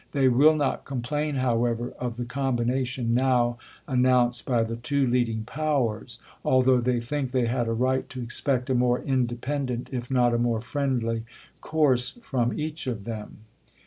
They will not complain however of the combination now an nounced by the two leading powers, although they think they had a right to expect a more independent if not a more friendly course from each of them.